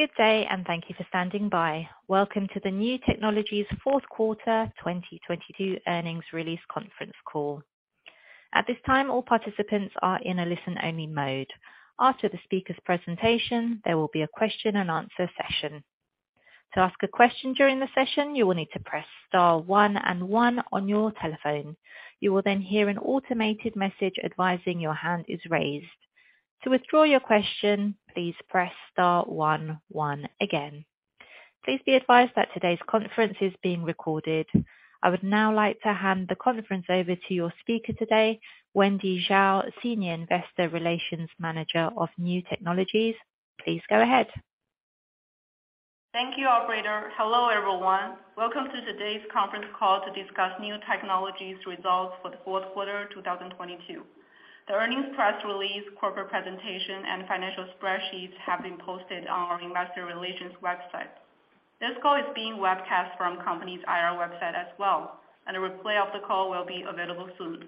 Good day and thank you for standing by. Welcome to the Niu Technologies fourth quarter 2022 earnings release conference call. At this time, all participants are in a listen-only mode. After the speaker's presentation, there will be a question and answer session. To ask a question during the session, you will need to press * one and one on your telephone. You will then hear an automated message advising your hand is raised. To withdraw your question, please press * one one again. Please be advised that today's conference is being recorded. I would now like to hand the conference over to your speaker today, Wendy Zhao, Senior Investor Relations Manager of Niu Technologies. Please go ahead. Thank you, operator. Hello, everyone. Welcome to today's conference call to discuss Niu Technologies results for the fourth quarter 2022. The earnings press release, corporate presentation and financial spreadsheets have been posted on our investor relations website. This call is being webcast from company's IR website as well, and a replay of the call will be available soon.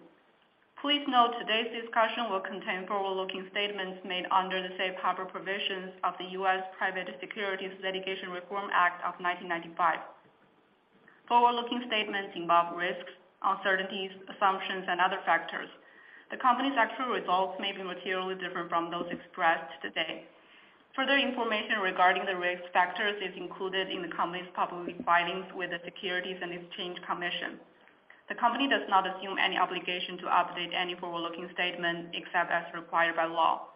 Please note today's discussion will contain forward-looking statements made under the safe harbor provisions of the U.S. Private Securities Litigation Reform Act of 1995. Forward-looking statements involve risks, uncertainties, assumptions and other factors. The company's actual results may be materially different from those expressed today. Further information regarding the risk factors is included in the company's public filings with the Securities and Exchange Commission. The company does not assume any obligation to update any forward-looking statement except as required by law.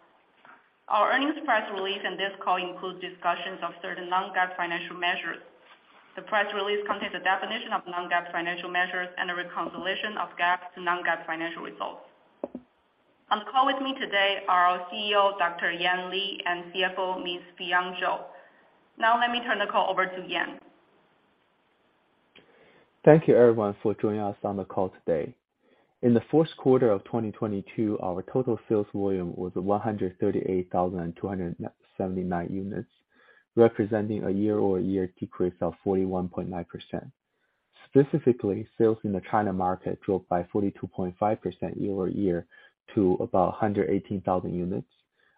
Our earnings press release and this call includes discussions of certain non-GAAP financial measures. The press release contains a definition of non-GAAP financial measures and a reconciliation of GAAP to non-GAAP financial results. On call with me today are our CEO, Dr. Yan Li, and CFO, Miss Fion Zhou. Let me turn the call over to Yan. Thank you, everyone, for joining us on the call today. In the fourth quarter of 2022, our total sales volume was 138,279 units, representing a year-over-year decrease of 41.9%. Specifically, sales in the China market dropped by 42.5% year-over-year to about 118,000 units,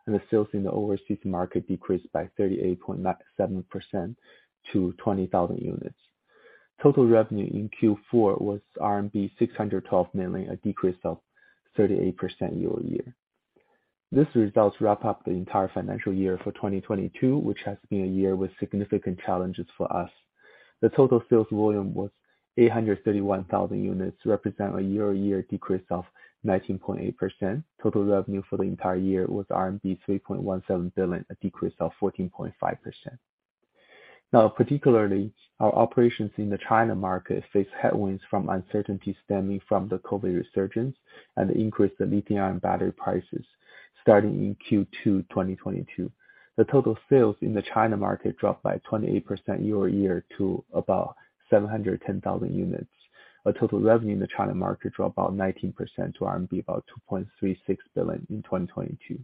the sales in the overseas market decreased by 38.97% to 20,000 units. Total revenue in Q4 was RMB 612 million, a decrease of 38% year-over-year. These results wrap up the entire financial year for 2022, which has been a year with significant challenges for us. The total sales volume was 831,000 units, represent a year-over-year decrease of 19.8%. Total revenue for the entire year was RMB 3.17 billion, a decrease of 14.5%. Particularly, our operations in the China market face headwinds from uncertainty stemming from the COVID resurgence and the increase in lithium-ion battery prices. Starting in Q2 2022, the total sales in the China market dropped by 28% year-over-year to about 710,000 units. Our total revenue in the China market dropped about 19% to 2.36 billion RMB in 2022.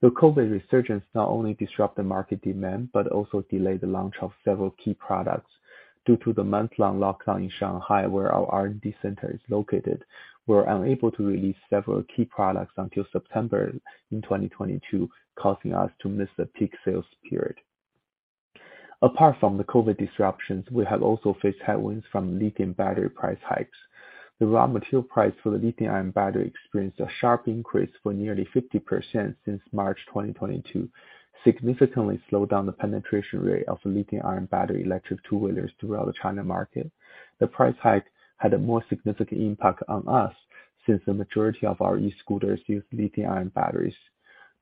The COVID resurgence not only disrupt the market demand, but also delay the launch of several key products. Due to the month-long lockdown in Shanghai, where our R&D center is located, we were unable to release several key products until September in 2022, causing us to miss the peak sales period. Apart from the COVID disruptions, we have also faced headwinds from lithium battery price hikes. The raw material price for the lithium-ion battery experienced a sharp increase for nearly 50% since March 2022, significantly slowed down the penetration rate of lithium-ion battery electric two-wheelers throughout the China market. The price hike had a more significant impact on us, since the majority of our e-scooters use lithium-ion batteries.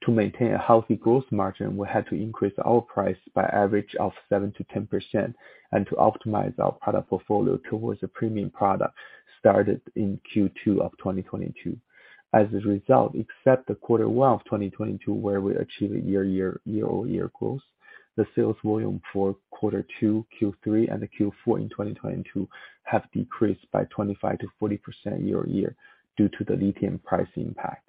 To maintain a healthy growth margin, we had to increase our price by average of 7%-10% and to optimize our product portfolio towards a premium product, started in Q2 of 2022. As a result, except the Q1 of 2022, where we achieved a year-over-year growth, the sales volume for Q2, Q3 and the Q4 in 2022 have decreased by 25%-40% year-over-year due to the lithium price impact.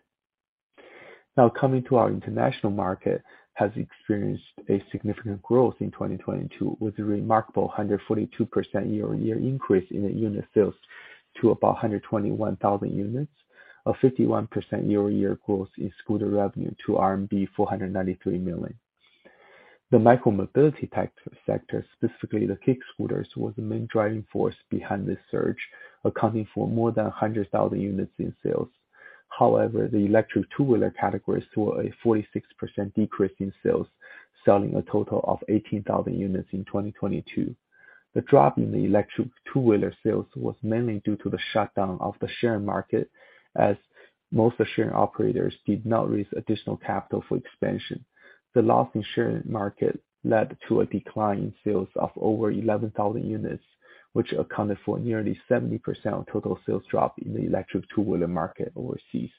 Coming to our international market has experienced a significant growth in 2022, with a remarkable 142% year-over-year increase in the unit sales to about 121,000 units. A 51% year-over-year growth in scooter revenue to RMB 493 million. The micro-mobility tech sector, specifically the kick scooters, was the main driving force behind this surge, accounting for more than 100,000 units in sales. However, the electric two-wheeler categories saw a 46% decrease in sales, selling a total of 18,000 units in 2022. The drop in the electric two-wheeler sales was mainly due to the shutdown of the sharing market, as most of the sharing operators did not raise additional capital for expansion. The loss in sharing market led to a decline in sales of over 11,000 units, which accounted for nearly 70% of total sales drop in the electric two-wheeler market overseas.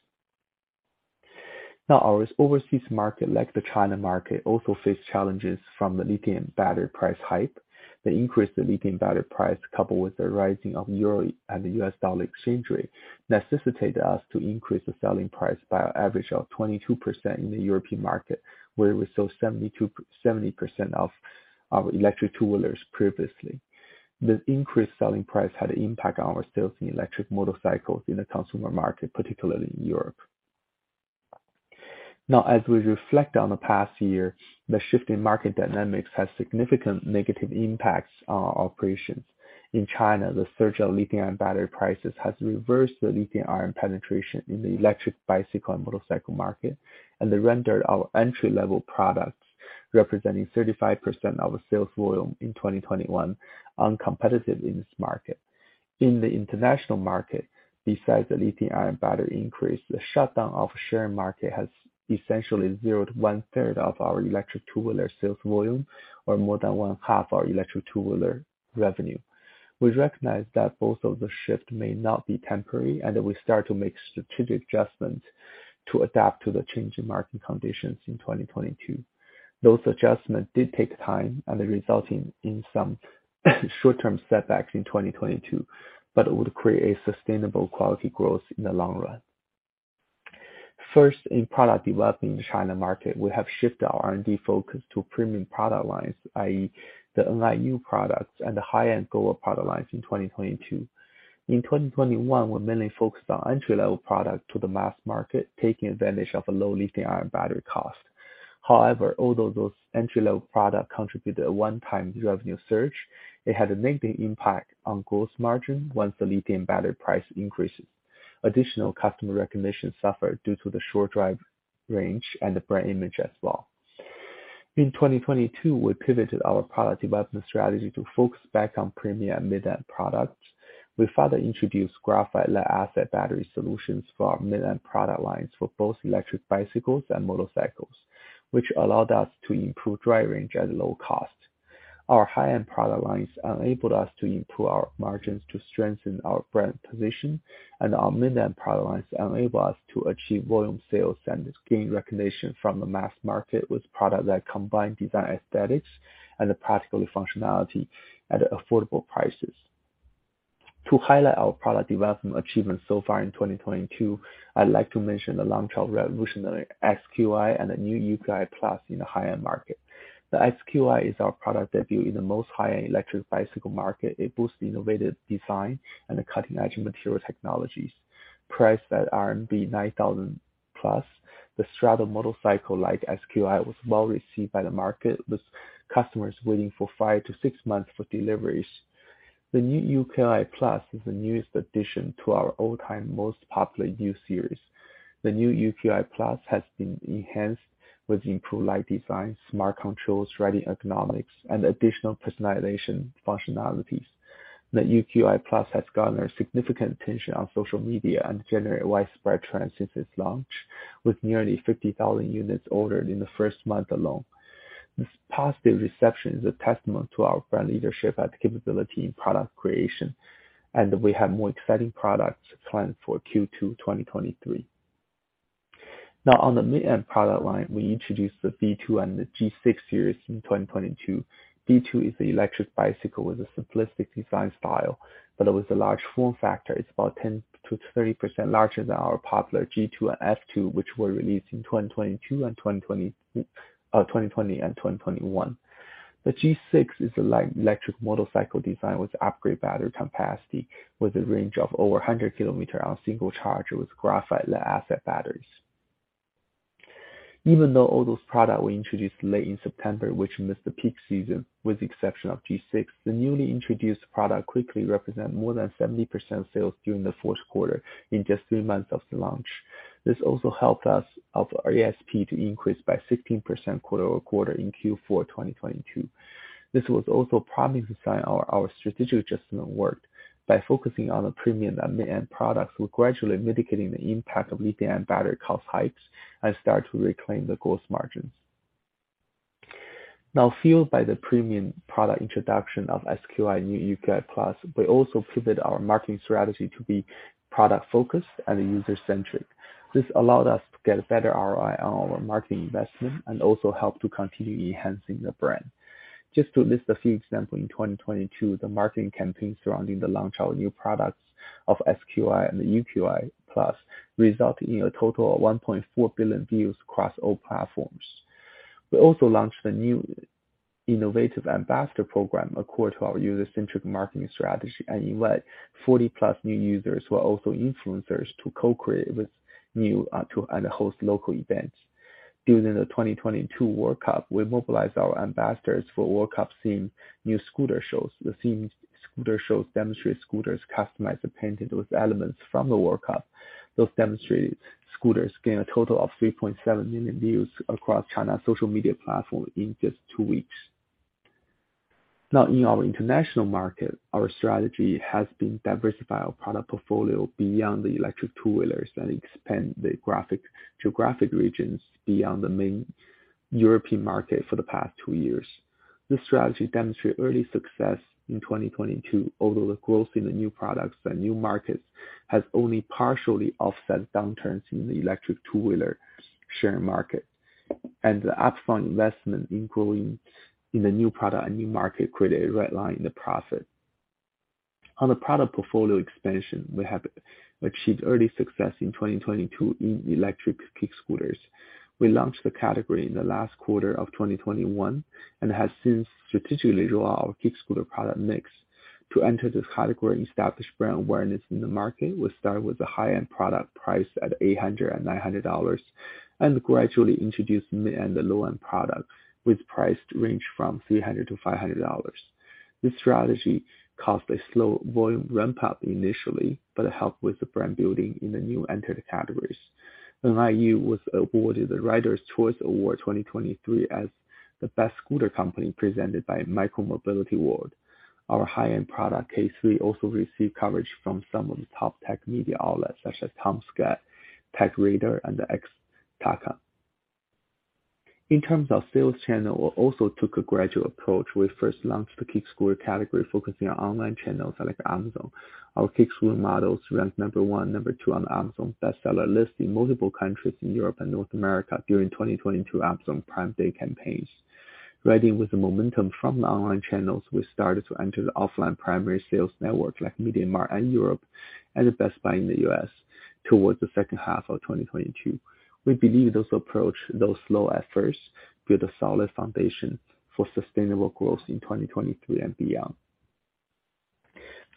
Our overseas market, like the China market, also face challenges from the lithium battery price hike. The increase in lithium battery price, coupled with the rising of Euro and the U.S., dollar exchange rate, necessitated us to increase the selling price by an average of 22% in the European market, where we sold 70% of our electric two-wheelers previously. The increased selling price had an impact on our sales in electric motorcycles in the consumer market, particularly in Europe. As we reflect on the past year, the shift in market dynamics has significant negative impacts on our operations. In China, the surge of lithium-ion battery prices has reversed the lithium-ion penetration in the electric bicycle and motorcycle market. They rendered our entry-level products, representing 35% of the sales volume in 2021, uncompetitive in this market. In the international market, besides the lithium-ion battery increase, the shutdown of share market has essentially zeroed 1/3 of our electric two-wheeler sales volume or more than 1/2 our electric two-wheeler revenue. We recognize that both of the shift may not be temporary. We start to make strategic adjustments to adapt to the changing market conditions in 2022. Those adjustments did take time and they're resulting in some short-term setbacks in 2022, but it would create a sustainable quality growth in the long run. First, in product development in China market, we have shifted our R&D focus to premium product lines, i.e. the Niu products and the high-end global product lines in 2022. In 2021, we mainly focused on entry-level products to the mass market, taking advantage of a low lithium-ion battery cost. Although those entry-level products contributed a 1-time revenue surge, it had a negative impact on gross margin once the lithium battery price increases. Additional customer recognition suffered due to the short drive range and the brand image as well. In 2022, we pivoted our product development strategy to focus back on premium mid-end products. We further introduced graphite lead-acid battery solutions for our mid-end product lines for both electric bicycles and motorcycles, which allowed us to improve drive range at low cost. Our high-end product lines enabled us to improve our margins to strengthen our brand position. Our mid-end product lines enable us to achieve volume sales and gain recognition from the mass market with product that combine design aesthetics and the practical functionality at affordable prices. To highlight our product development achievements so far in 2022, I'd like to mention the launch of revolutionary SQi and the new UQi+ in the high-end market. The SQi is our product debut in the most high-end electric bicycle market. It boosts innovative design and the cutting-edge material technologies. Priced at RMB 9,000+, the straddle motorcycle like SQi was well received by the market, with customers waiting for 5 to 6 months for deliveries. The new UQi+ is the newest addition to our all-time most popular U series. The new UQi+ has been enhanced with improved light design, smart controls, riding ergonomics, and additional personalization functionalities. The UQi+ has garnered significant attention on social media and generate widespread trend since its launch, with nearly 50,000 units ordered in the first month alone. This positive reception is a testament to our brand leadership and capability in product creation, we have more exciting products planned for Q2 2023. On the mid-end product line, we introduced the V2 and the G6 series in 2022. V2 is the electric bicycle with a simplistic design style, but it was a large form factor. It's about 10%-30% larger than our popular G2 and F2, which were released in 2020 and 2021. The G6 is a light electric motorcycle design with upgrade battery capacity, with a range of over 100 km on single charger with graphite lead-acid batteries. All those product were introduced late in September, which missed the peak season, with the exception of G6, the newly introduced product quickly represent more than 70% sales during the fourth quarter in just three months of the launch. This also helped us of our ASP to increase by 16% quarter-over-quarter in Q4 2022. This was also a promising sign our strategic adjustment worked. By focusing on the premium and mid-end products, we're gradually mitigating the impact of lithium-ion battery cost hikes and start to reclaim the gross margins. Fueled by the premium product introduction of SQi and UQi+, we also pivot our marketing strategy to be product-focused and user-centric. This allowed us to get a better ROI on our marketing investment and also help to continue enhancing the brand. Just to list a few example, in 2022, the marketing campaign surrounding the launch of new products of SQi and the UQi+ resulted in a total of 1.4 billion views across all platforms. We also launched a new innovative ambassador program according to our user-centric marketing strategy, and invite 40-plus new users who are also influencers to co-create with Niu and host local events. During the 2022 World Cup, we mobilized our ambassadors for World Cup themed new scooter shows. The themed scooter shows demonstrate scooters customized and painted with elements from the World Cup. Those demonstrated scooters gain a total of 3.7 million views across China's social media platform in just two weeks. Now in our international market, our strategy has been diversify our product portfolio beyond the electric two-wheelers and expand the geographic regions beyond the main European market for the past 2 years. This strategy demonstrate early success in 2022, although the growth in the new products by new markets has only partially offset downturns in the electric two-wheeler sharing market. The up-front investment in growing in the new product and new market created a red line in the profit. On the product portfolio expansion, we have achieved early success in 2022 in electric kick scooters. We launched the category in the last quarter of 2021, and have since strategically draw our kick scooter product mix. To enter this category and establish brand awareness in the market, we start with the high-end product priced at $800-$900, and gradually introduce mid-end and low-end products with price range from $300-$500. This strategy caused a slow volume ramp-up initially, helped with the brand building in the new entered categories. Niu was awarded the Rider's Choice Award 2023 as the best scooter company presented by Micromobility World. Our high-end product, KQi3, also received coverage from some of the top tech media outlets, such as Tom's Guide, TechRadar and Xataka. In terms of sales channel, we also took a gradual approach. We first launched the kick scooter category, focusing on online channels like Amazon. Our kick scooter models ranked number one, number two on Amazon best seller list in multiple countries in Europe and North America during 2022 Amazon Prime Day campaigns. Riding with the momentum from the online channels, we started to enter the offline primary sales network like MediaMarkt in Europe, and Best Buy in the U.S. towards the second half of 2022. We believe those approach, those slow efforts build a solid foundation for sustainable growth in 2023 and beyond.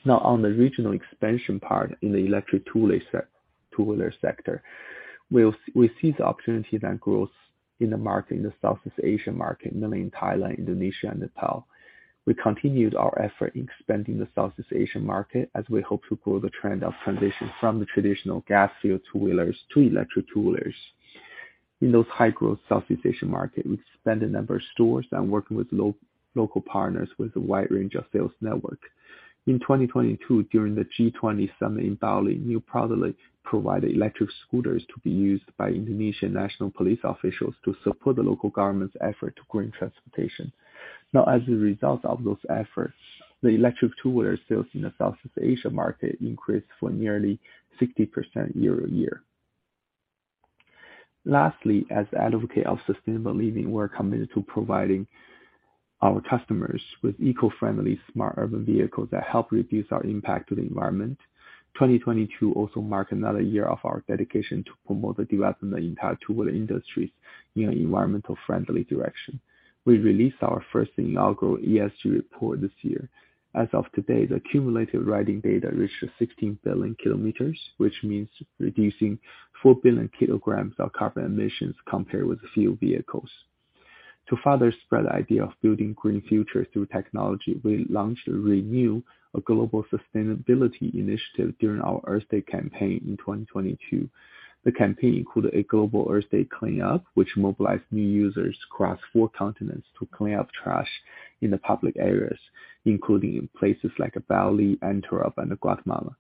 Now on the regional expansion part in the electric two-wheeler sector, we see the opportunity that grows in the market, in the Southeast Asian market, mainly in Thailand, Indonesia and Nepal. We continued our effort in expanding the Southeast Asian market as we hope to grow the trend of transition from the traditional gas-fueled two-wheelers to electric two-wheelers. In those high-growth Southeast Asian market, we expand a number of stores and working with local partners with a wide range of sales network. In 2022 during the G20 summit in Bali, Niu proudly provided electric scooters to be used by Indonesian national police officials to support the local government's effort to green transportation. As a result of those efforts, the electric two-wheeler sales in the Southeast Asia market increased for nearly 60% year-over-year. As advocate of sustainable living, we're committed to providing our customers with eco-friendly, smart urban vehicles that help reduce our impact to the environment. 2022 also marked another year of our dedication to promote the development of the entire two-wheeler industries in an environmental friendly direction. We released our first inaugural ESG report this year. As of today, the cumulative riding data reached 16 billion km, which means reducing 4 billion kg of carbon emissions compared with the fuel vehicles. To further spread the idea of building green future through technology, we launched a ReNiu, a global sustainability initiative during our Earth Day campaign in 2022. The campaign included a global Earth Day cleanup, which mobilized Niu users across four continents to clean up trash in the public areas, including in places like Bali, Antwerp and Guatemala.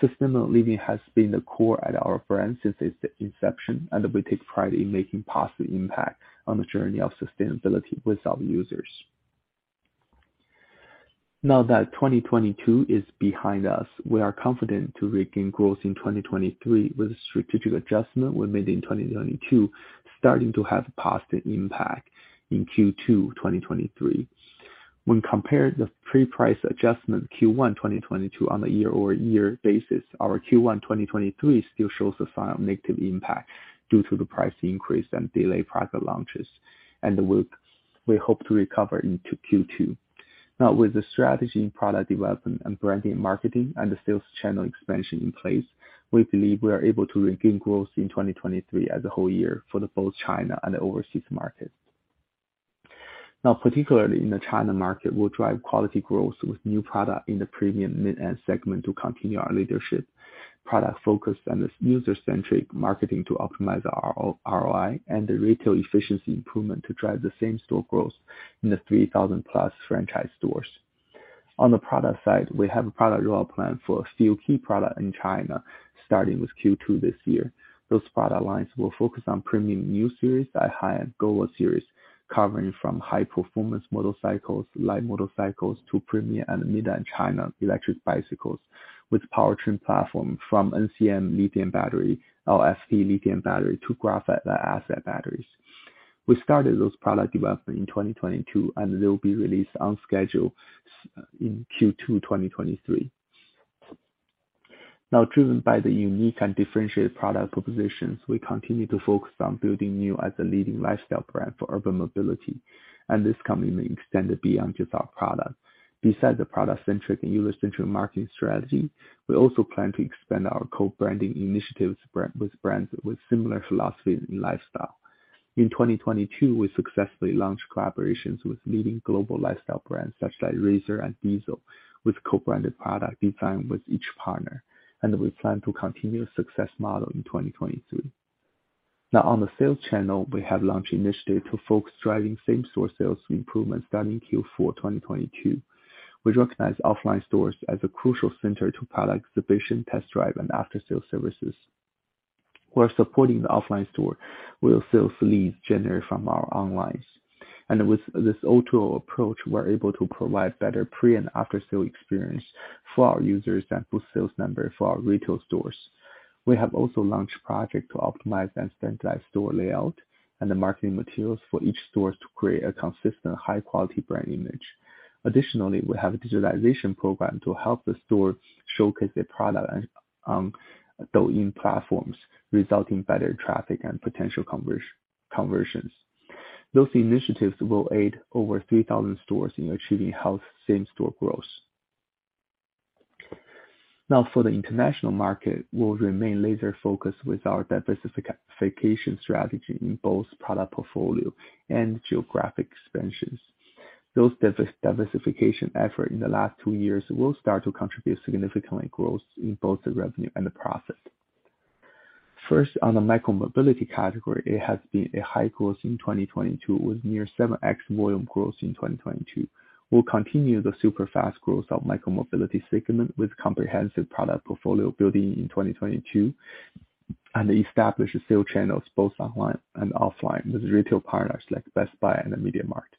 Sustainable living has been the core at our brand since its inception. We take pride in making positive impact on the journey of sustainability with our users. Now that 2022 is behind us, we are confident to regain growth in 2023 with strategic adjustment we made in 2022, starting to have a positive impact in Q2 2023. When compared the pre-price adjustment Q1 2022 on a year-over-year basis, our Q1 2023 still shows a sign of negative impact due to the price increase and delayed product launches. We hope to recover into Q2. With the strategy in product development and branding, marketing and the sales channel expansion in place, we believe we are able to regain growth in 2023 as a whole year for the both China and the overseas market. Particularly in the China market, we'll drive quality growth with new product in the premium mid-end segment to continue our leadership product focus and the user-centric marketing to optimize our O-ROI and the retail efficiency improvement to drive the same store growth in the 3,000 plus franchise stores. On the product side, we have a product roadmap plan for a few key product in China starting with Q2 this year. Those product lines will focus on premium new series, that high-end Gova series, covering from high-performance motorcycles, light motorcycles to premium and mid-end China electric bicycles with powertrain platform from NCM lithium battery, LFP lithium battery to graphite lead-acid batteries. We started those product development in 2022, and they will be released on schedule in Q2 2023. Driven by the unique and differentiated product propositions, we continue to focus on building Niu as a leading lifestyle brand for urban mobility. This coming may extend beyond just our product. Besides the product-centric and user-centric marketing strategy, we also plan to expand our co-branding initiatives with brands with similar philosophies in lifestyle. In 2022, we successfully launched collaborations with leading global lifestyle brands such like Razer and Diesel, with co-branded product designed with each partner. We plan to continue success model in 2023. Now on the sales channel, we have launched initiative to focus driving same store sales improvements starting Q4 2022. We recognize offline stores as a crucial center to product exhibition, test drive and after-sale services. We're supporting the offline store with sales leads generated from our onlines. With this O2O approach, we're able to provide better pre- and after-sale experience for our users and boost sales number for our retail stores. We have also launched project to optimize and standardize store layout and the marketing materials for each stores to create a consistent high-quality brand image. Additionally, we have a digitalization program to help the store showcase their product on Douyin platforms, resulting better traffic and potential conversions. Those initiatives will aid over 3,000 stores in achieving health same-store growth. Now, for the international market, we'll remain laser-focused with our diversification strategy in both product portfolio and geographic expansions. Those diversification effort in the last two years will start to contribute significantly growth in both the revenue and the profit. First, on the micro-mobility category, it has been a high growth in 2022 with near 7x volume growth in 2022. We'll continue the super-fast growth of micromobility segment with comprehensive product portfolio building in 2022, and establish sale channels both online and offline with retail partners like Best Buy and MediaMarkt.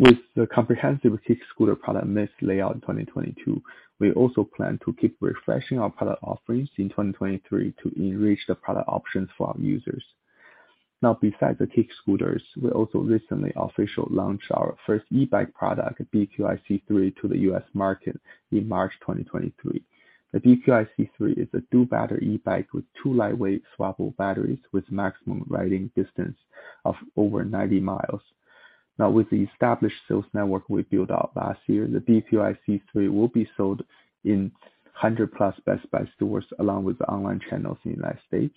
With the comprehensive kick scooter product mix layout in 2022, we also plan to keep refreshing our product offerings in 2023 to enrich the product options for our users. Besides the kick scooters, we also recently officially launched our first e-bike product, BQi-C3, to the U.S. market in March 2023. The BQi-C3 is a two-battery e-bike with two lightweight swappable batteries with maximum riding distance of over 90 miles. With the established sales network we built out last year, the BQi-C3 will be sold in 100-plus Best Buy stores, along with the online channels in the United States,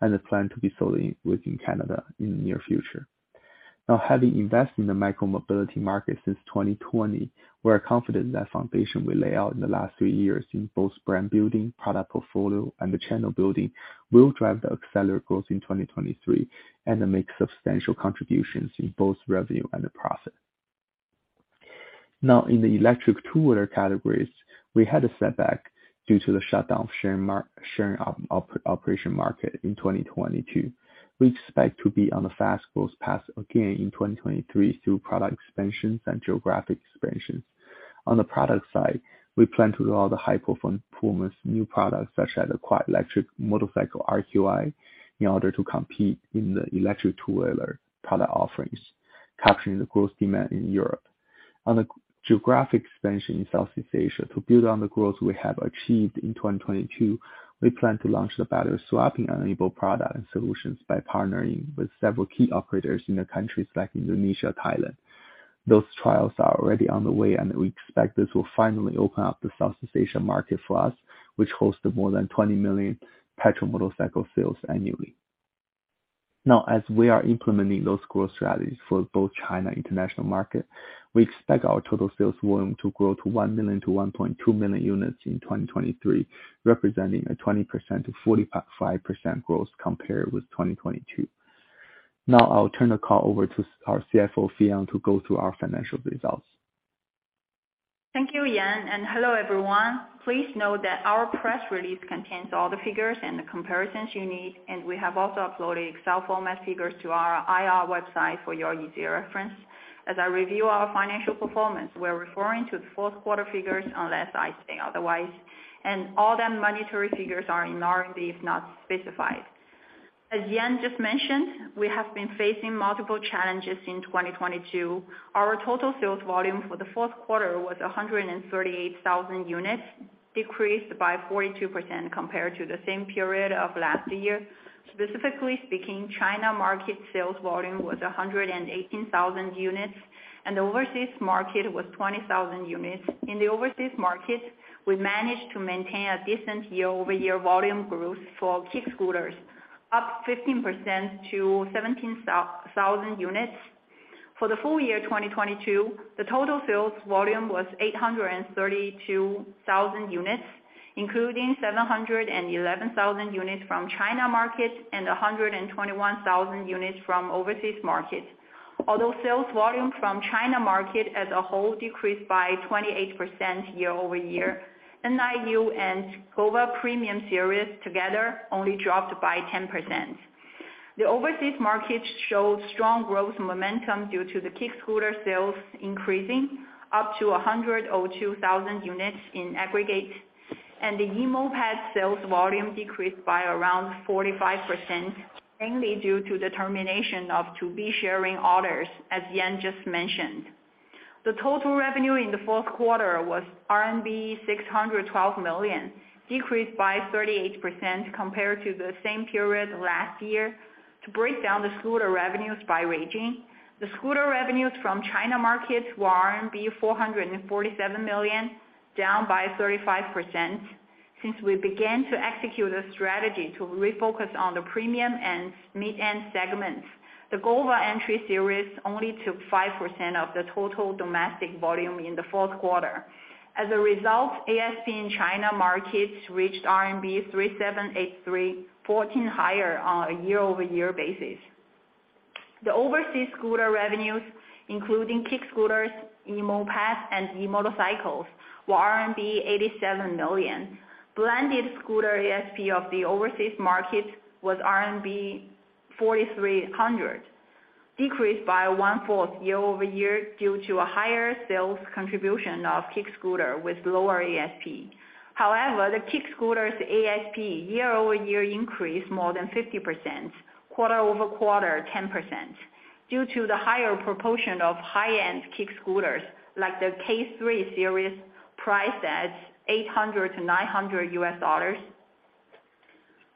and they plan to be sold in within Canada in the near future. Having invested in the micro-mobility market since 2020, we are confident that foundation we lay out in the last three years in both brand building, product portfolio, and the channel building, will drive the accelerated growth in 2023, and make substantial contributions in both revenue and the profit. In the electric two-wheeler categories, we had a setback due to the shutdown of sharing operation market in 2022. We expect to be on a fast growth path again in 2023 through product expansions and geographic expansions. On the product side, we plan to roll out the high-performance new products, such as the electric motorcycle, RQi, in order to compete in the electric two-wheeler product offerings, capturing the growth demand in Europe. On the geographic expansion in Southeast Asia, to build on the growth we have achieved in 2022, we plan to launch the battery swapping-enabled product and solutions by partnering with several key operators in the countries like Indonesia, Thailand. Those trials are already on the way, and we expect this will finally open up the Southeast Asian market for us, which hosts the more than 20 million petrol motorcycle sales annually. Now, as we are implementing those growth strategies for both China international market, we expect our total sales volume to grow to 1 million-1.2 million units in 2023, representing a 20%-45% growth compared with 2022. Now, I'll turn the call over to our CFO, Fion, to go through our financial results. Thank you, Yan. Hello, everyone. Please note that our press release contains all the figures and the comparisons you need, and we have also uploaded Excel format figures to our IR website for your easy reference. As I review our financial performance, we're referring to the fourth quarter figures, unless I say otherwise, and all the monetary figures are in RMB, if not specified. As Yan just mentioned, we have been facing multiple challenges in 2022. Our total sales volume for the fourth quarter was 138,000 units, decreased by 42% compared to the same period of last year. Specifically speaking, China market sales volume was 118,000 units, and the overseas market was 20,000 units. In the overseas markets, we managed to maintain a decent year-over-year volume growth for kick scooters, up 15% to 17,000 units. For the full year 2022, the total sales volume was 832,000 units, including 711,000 units from China market and 121,000 units from overseas market. Although sales volume from China market as a whole decreased by 28% year-over-year, Niu and Gova Premium series together only dropped by 10%. The overseas market showed strong growth momentum due to the kick scooter sales increasing up to 102,000 units in aggregate, and the e-moped sales volume decreased by around 45%, mainly due to the termination of two wheel sharing orders, as Yan just mentioned. The total revenue in the fourth quarter was RMB 612 million, decreased by 38% compared to the same period last year. To break down the scooter revenues by region, the scooter revenues from China markets were RMB 447 million, down by 35%. Since we began to execute a strategy to refocus on the premium and mid-end segments, the Gova Entry series only took 5% of the total domestic volume in the fourth quarter. As a result, ASP in China markets reached RMB 3,783, 14 higher on a year-over-year basis. The overseas scooter revenues, including kick scooters, e-moped, and e-motorcycles, were RMB 87 million. Blended scooter ASP of the overseas markets was RMB 4,300, decreased by one-fourth year-over-year due to a higher sales contribution of kick scooter with lower ASP. However, the kick scooters ASP year-over-year increased more than 50%, quarter-over-quarter, 10%. Due to the higher proportion of high-end kick scooters, like the KQi3 series, priced at $800-$900.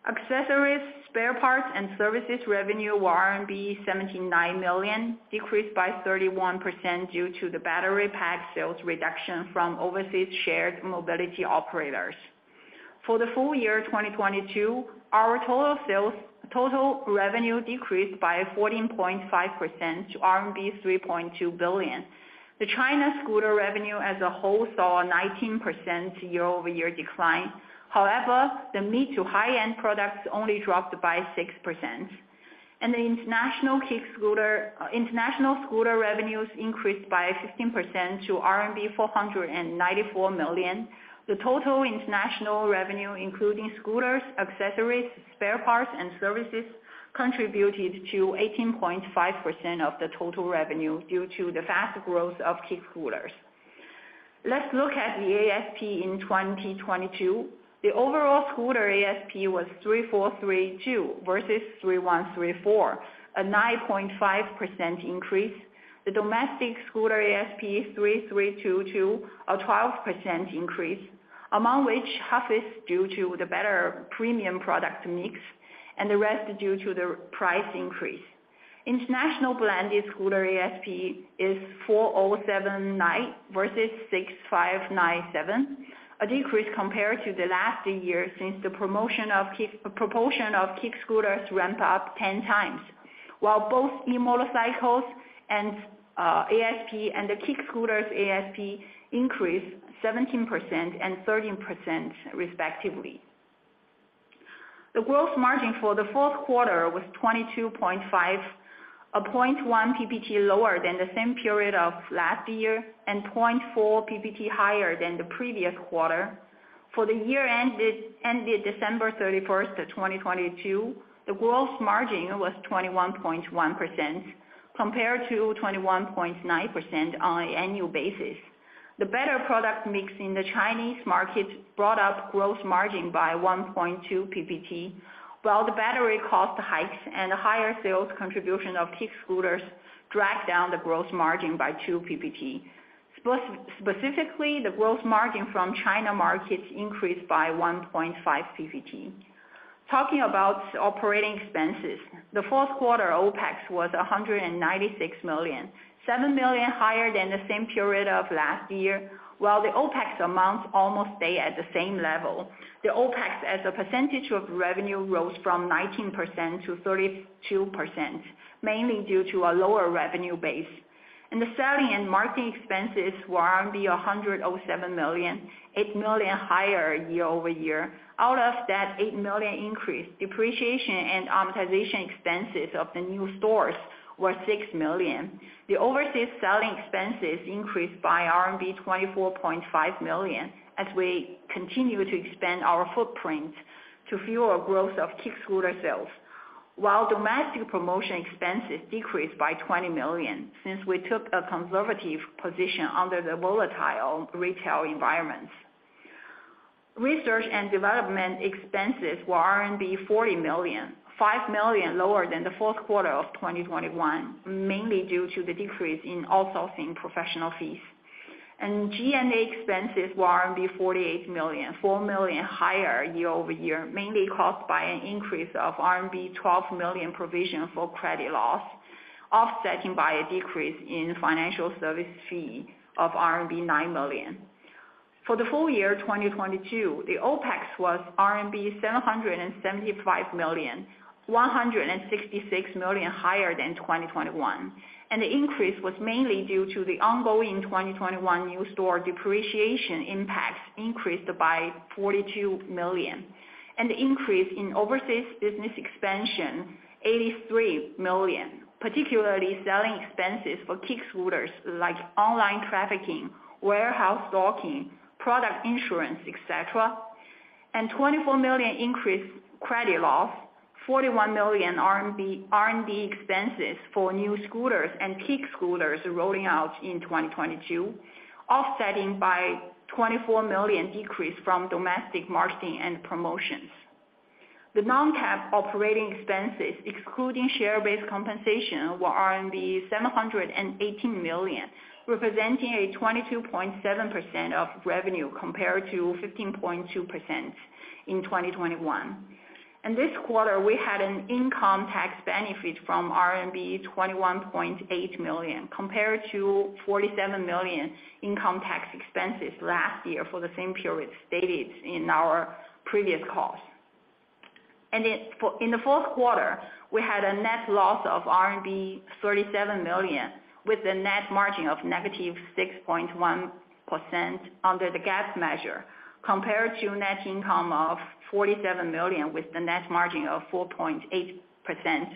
Accessories, spare parts, and services revenue were RMB 79 million, decreased by 31% due to the battery pack sales reduction from overseas shared mobility operators. For the full year 2022, our total sales, total revenue decreased by 14.5% to RMB 3.2 billion. The China scooter revenue as a whole saw a 19% year-over-year decline. However, the mid-to-high-end products only dropped by 6%. The international kick scooter, international scooter revenues increased by 15% to RMB 494 million. The total international revenue, including scooters, accessories, spare parts, and services, contributed to 18.5% of the total revenue due to the fast growth of kick scooters. Let's look at the ASP in 2022. The overall scooter ASP was 3,432 versus 3,134, a 9.5% increase. The domestic scooter ASP, 3,322, a 12% increase, among which half is due to the better premium product mix, and the rest due to the price increase. International blended scooter ASP is 4,079 versus 6,597, a decrease compared to the last year since the proportion of kick scooters ramped up 10 times. While both new motorcycles and ASP and the kick scooters ASP increased 17% and 13% respectively. The growth margin for the fourth quarter was 22.5, 0.1 PPT lower than the same period of last year. Point four PPT higher than the previous quarter. For the year ended December 31, 2022, the growth margin was 21.1%, compared to 21.9% on an annual basis. The better product mix in the Chinese market brought up growth margin by 1.2 PPT, while the battery cost hikes and higher sales contribution of kick scooters dragged down the growth margin by 2 PPT. Specifically, the growth margin from China markets increased by 1.5 PPT. Talking about operating expenses. The fourth quarter OPEX was 196 million, 7 million higher than the same period of last year. While the OPEX amount almost stay at the same level, the OPEX as a percentage of revenue rose from 19% to 32%, mainly due to a lower revenue base. The selling and marketing expenses were 107 million, 8 million higher year-over-year. Out of that 8 million increase, depreciation and amortization expenses of the new stores were 6 million. The overseas selling expenses increased by RMB 24.5 million, as we continue to expand our footprint to fuel growth of kick scooter sales. While domestic promotion expenses decreased by 20 million, since we took a conservative position under the volatile retail environment. Research and development expenses were RMB 40 million, 5 million lower than the fourth quarter of 2021, mainly due to the decrease in outsourcing professional fees. G&A expenses were 48 million, 4 million higher year-over-year, mainly caused by an increase of RMB 12 million provision for credit loss, offsetting by a decrease in financial service fee of RMB 9 million. For the full year 2022, the OPEX was RMB 775 million, 166 million higher than 2021. The increase was mainly due to the ongoing 2021 new store depreciation impacts increased by 42 million, the increase in overseas business expansion, 83 million, particularly selling expenses for kick scooters like online trafficking, warehouse stocking, product insurance, et cetera, 24 million increased credit loss, 41 million R&D expenses for new scooters and kick scooters rolling out in 2022, offsetting by 24 million decrease from domestic marketing and promotions. The non-GAAP operating expenses, excluding share-based compensation, were RMB 718 million, representing a 22.7% of revenue, compared to 15.2% in 2021. This quarter, we had an income tax benefit from RMB 21.8 million, compared to 47 million income tax expenses last year for the same period, stated in our previous calls. In the fourth quarter, we had a net loss of RMB 37 million, with a net margin of -6.1% under the GAAP measure, compared to net income of 47 million, with the net margin of 4.8%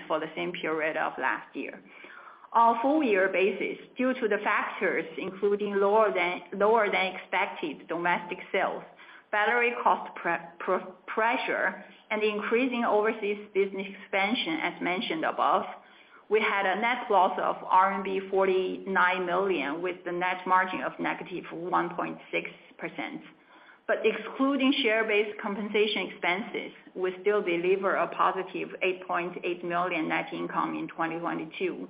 for the same period of last year. On a full year basis, due to the factors, including lower than expected domestic sales, battery cost pressure, and increasing overseas business expansion, as mentioned above, we had a net loss of RMB 49 million, with the net margin of negative 1.6%. Excluding share-based compensation expenses, we still deliver a positive 8.8 million net income in 2022.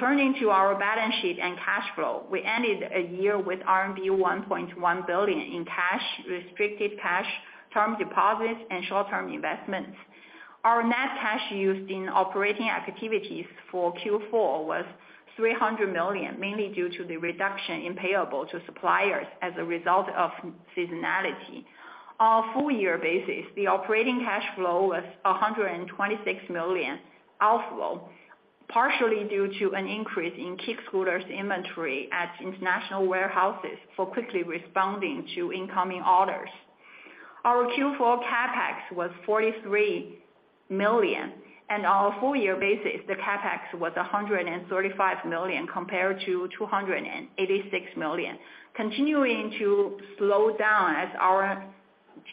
Turning to our balance sheet and cash flow, we ended a year with RMB 1.1 billion in cash, restricted cash, term deposits, and short-term investments. Our net cash used in operating activities for Q4 was 300 million, mainly due to the reduction in payable to suppliers as a result of seasonality. On a full year basis, the operating cash flow was 126 million outflow, partially due to an increase in kick scooters inventory at international warehouses for quickly responding to incoming orders. Our Q4 CapEx was 43 million. On a full year basis, the CapEx was 135 million compared to 286 million, continuing to slow down as our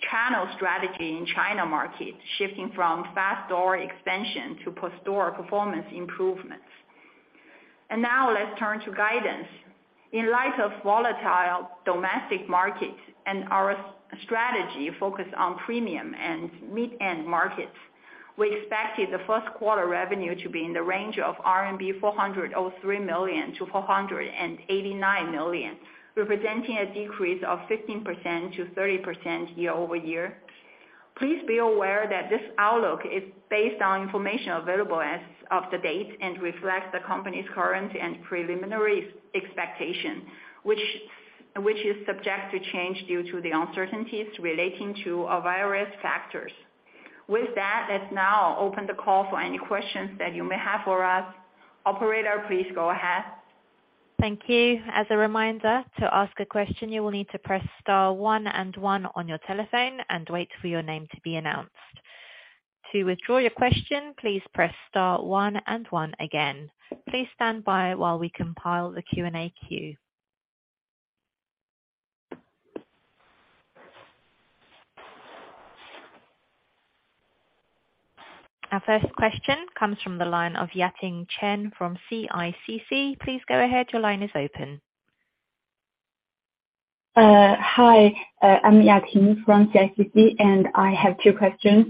channel strategy in China market shifting from fast door expansion to post door performance improvements. Now let's turn to guidance. In light of volatile domestic market and our strategy focused on premium and mid-end markets, we expected the first quarter revenue to be in the range of 403 million-489 million RMB, representing a decrease of 15%-30% year-over-year. Please be aware that this outlook is based on information available as of the date and reflects the company's current and preliminary expectation, which is subject to change due to the uncertainties relating to a various factors. With that, let's now open the call for any questions that you may have for us. Operator, please go ahead. Thank you. As a reminder, to ask a question, you will need to press * one and one on your telephone and wait for your name to be announced. To withdraw your question, please press * one and one again. Please stand by while we compile the Q&A queue. Our first question comes from the line of Yating Chen from CICC. Please go ahead. Your line is open. Hi, I'm Yating from CICC, and I have two questions.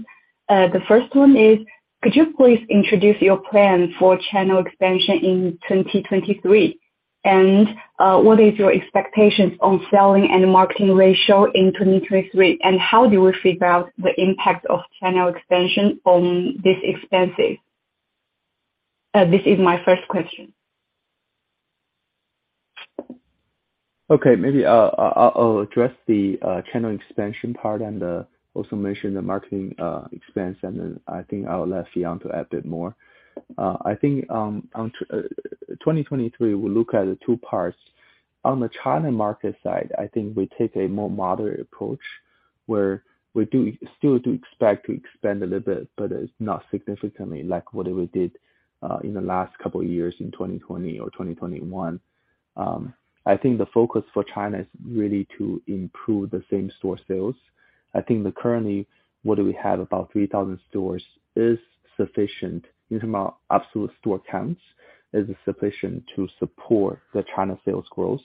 The first one is, could you please introduce your plan for channel expansion in 2023? What is your expectations on selling and marketing ratio in 2023? How do you figure out the impact of channel expansion on this expenses? This is my first question. Okay. Maybe I'll address the channel expansion part and also mention the marketing expense, and then I think I'll let Fion to add a bit more. I think on 2023, we look at the two parts. On the China market side, I think we take a more moderate approach where we still do expect to expand a little bit, but it's not significantly like what we did in the last couple of years in 2020 or 2021. I think the focus for China is really to improve the same store sales. I think that currently, what do we have? About 3,000 stores is sufficient in terms of absolute store counts, is sufficient to support the China sales growth.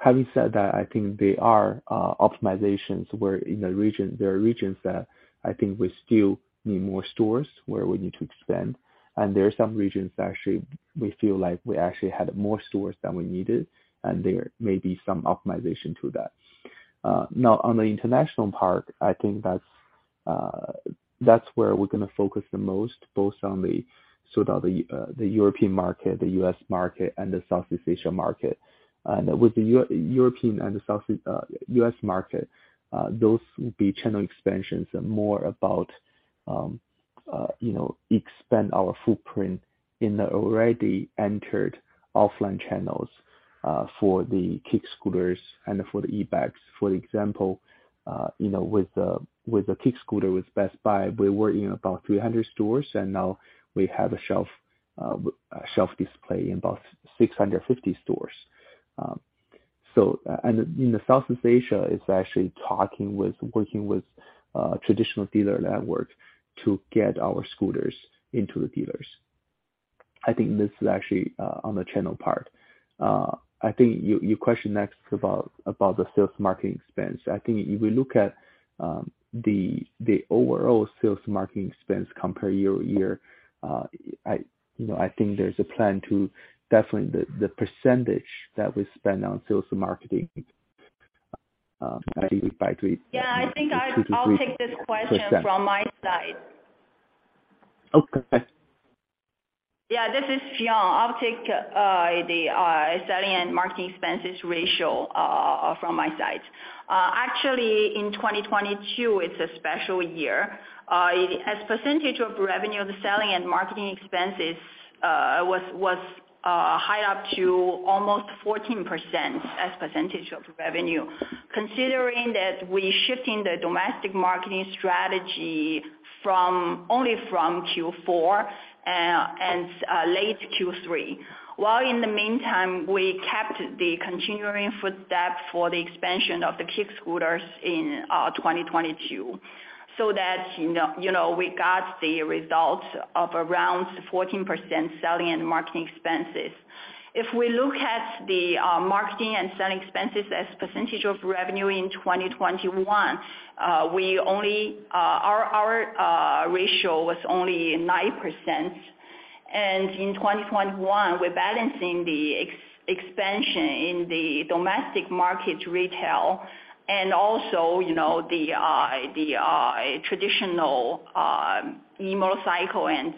Having said that, I think there are optimizations where in the region... there are regions that I think we still need more stores, where we need to expand, and there are some regions that actually we feel like we actually had more stores than we needed, and there may be some optimization to that. Now on the international part, I think that's where we're gonna focus the most, both on the, sort of the European market, the U.S., market, and the Southeast Asia market. With the European and the Southeast U.S., market, those will be channel expansions more about, you know, expand our footprint in the already entered offline channels for the kick scooters and for the e-bikes. For example, you know, with the kick scooter with Best Buy, we were in about 300 stores, and now we have a shelf display in about 650 stores. In the Southeast Asia, it's actually talking with, working with, traditional dealer network to get our scooters into the dealers. I think this is actually on the channel part. I think your question next about the sales marketing expense. I think if we look at the overall sales marketing expense compare year-over-year, I, you know, I think there's a plan to definitely the percentage that we spend on sales and marketing, I think. Yeah, I think I'll take this question from my side. Okay. Yeah, this is Fion. I'll take the selling and marketing expenses ratio from my side. Actually, in 2022, it's a special year. As percentage of revenue, the selling and marketing expenses was high up to almost 14% as percentage of revenue, considering that we're shifting the domestic marketing strategy only from Q4, and late Q3, while in the meantime, we kept the continuing footstep for the expansion of the kick scooters in 2022. That, you know, you know, we got the results of around 14% selling and marketing expenses. If we look at the marketing and selling expenses as percentage of revenue in 2021, we only, our ratio was only 9%. In 2021, we're balancing the expansion in the domestic market retail and also, you know, the traditional Niu motorcycle and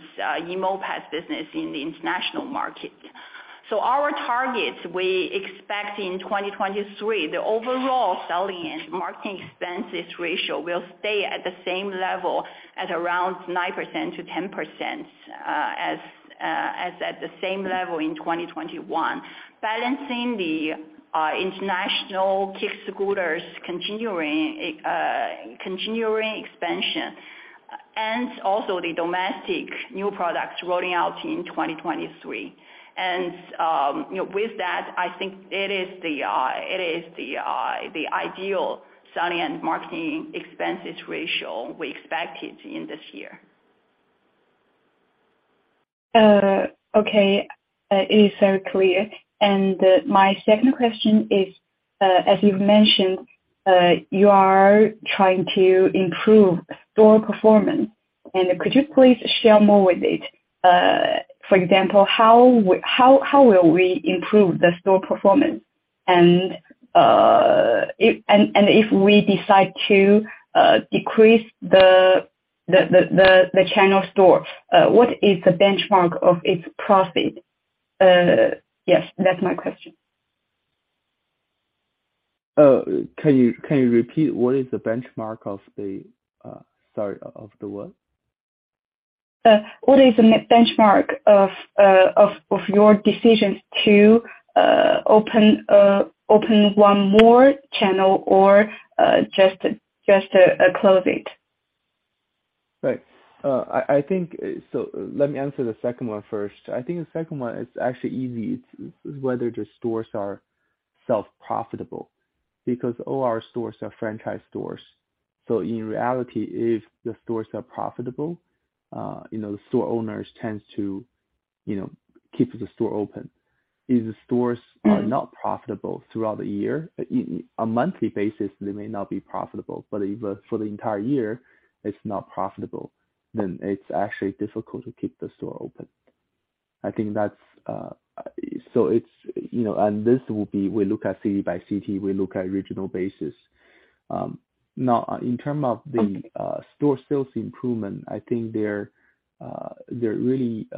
Niu pads business in the international market. Our targets, we expect in 2023, the overall selling and marketing expenses ratio will stay at the same level at around 9%-10% as at the same level in 2021. Balancing the international kick scooters continuing expansion and also the domestic new products rolling out in 2023. You know, with that, I think it is the ideal selling and marketing expenses ratio we expected in this year. Okay. It is very clear. My second question is, as you've mentioned, you are trying to improve store performance. Could you please share more with it? For example, how will we improve the store performance? If we decide to decrease the channel store, what is the benchmark of its profit? Yes, that's my question. Can you repeat what is the benchmark of the, sorry, of the what? What is the benchmark of your decisions to open one more channel or just close it? Right. I think. Let me answer the second one first. I think the second one is actually easy. It's whether the stores are self-profitable, because all our stores are franchise stores. In reality, if the stores are profitable, you know, the store owners tends to, you know, keep the store open. If the stores are not profitable throughout the year, On monthly basis, they may not be profitable, but if for the entire year it's not profitable, then it's actually difficult to keep the store open. I think that's, so it's, you know. This will be, we look at city by city, we look at regional basis. Now, in term of the store sales improvement, I think there are really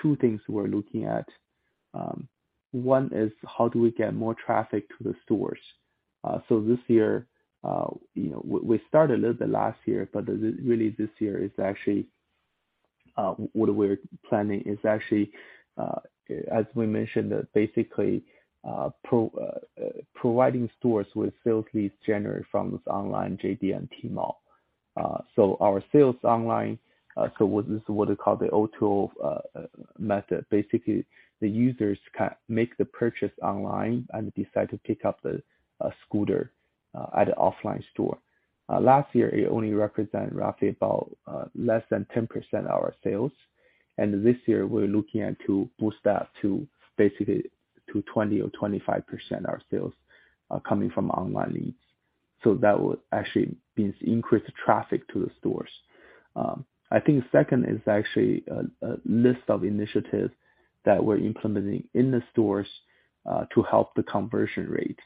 two things we're looking at. One is how do we get more traffic to the stores. This year, you know, we started a little bit last year, but really this year is actually, what we're planning is actually, as we mentioned, basically, providing stores with sales leads generated from this online JD and Tmall. Our sales online, so what this, what they call the O2 method. Basically, the users make the purchase online and decide to pick up the scooter at the offline store. Last year, it only represented roughly about less than 10% of our sales. This year we're looking at to boost that to basically to 20% or 25% of our sales are coming from online leads. That would actually means increased traffic to the stores. I think second is actually a list of initiatives that we're implementing in the stores to help the conversion rate.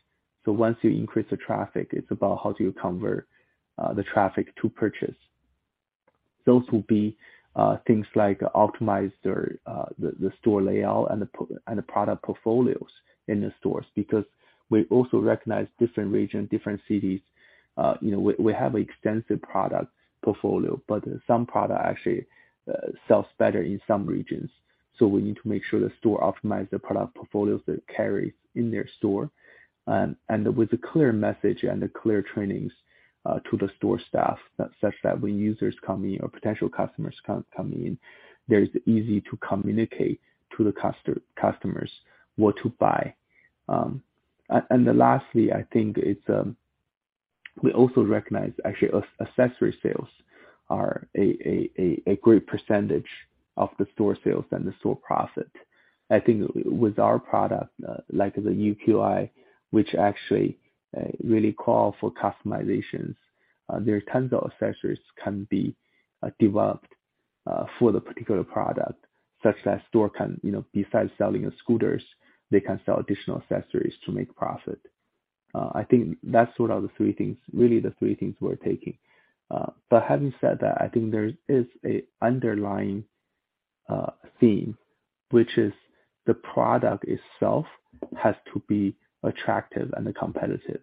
Once you increase the traffic, it's about how do you convert the traffic to purchase. Those will be things like optimize their the store layout and the product portfolios in the stores, because we also recognize different region, different cities, you know, we have extensive product portfolio, but some product actually sells better in some regions. We need to make sure the store optimize the product portfolios they carry in their store. With a clear message and a clear trainings to the store staff such that when users come in or potential customers come in, there is easy to communicate to the customers what to buy. Lastly, I think it's, we also recognize accessory sales are a great percentage of the store sales and the store profit. I think with our product, like the UQi, which actually really call for customizations, there are tons of accessories can be developed for the particular product, such that store can, you know, besides selling scooters, they can sell additional accessories to make profit. I think that's what are the three things we're taking. Having said that, I think there is an underlying theme, which is the product itself has to be attractive and competitive.